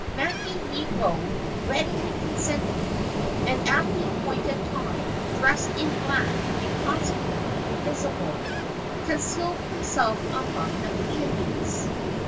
Maki Hiogo readily consented, and at the appointed time, dressed in black and consequently invisible, concealed himself among the peonies.